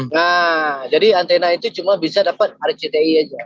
nah jadi antena itu cuma bisa dapat rcti aja